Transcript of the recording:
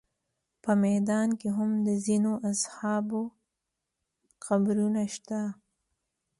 په میدان کې هم د ځینو اصحابو قبرونه شته.